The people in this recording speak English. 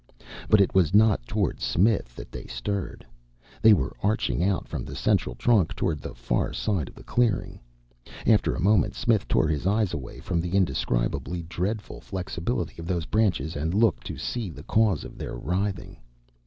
But it was not toward Smith that they stirred. They were arching out from the central trunk toward the far side of the clearing. After a moment Smith tore his eyes away from the indescribably dreadful flexibility of those branches and looked to see the cause of their writhing.